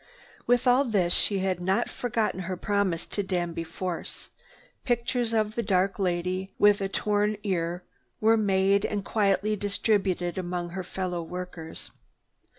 With all this she had not forgotten her promise to Danby Force. Pictures of the dark lady with a torn ear were made and quietly distributed among her fellow workers.